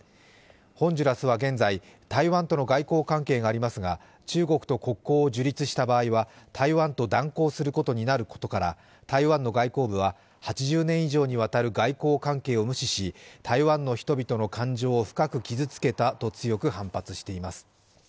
ホンジュラスは現在、台湾との外交関係がありますが中国と国交を樹立した場合は台湾と断交することになることから台湾の外交部は８０年以上にわたる外交関係を無視し台湾の人々の感情を深く傷つけたと強く反発しています。